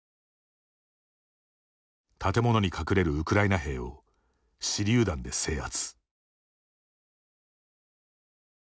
建物に隠れるウクライナ兵を手りゅう弾で制圧。